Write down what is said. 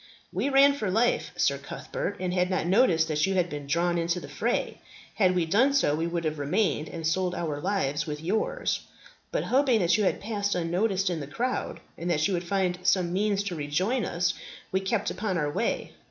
"We ran for life, Sir Cuthbert, and had not noticed that you had been drawn into the fray. Had we done so, we would have remained, and sold our lives with yours; but hoping that you had passed unnoticed in the crowd, and that you would find some means to rejoin us, we kept upon our way.